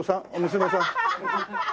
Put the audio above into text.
娘さん？